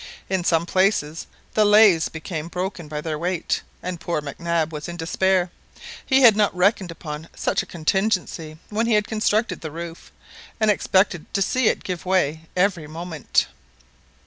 In some places the laths became broken by their weight, and poor Mac Nab was in despair; he had not reckoned upon such a contingency when he constructed the roof, and expected to see it give way every moment.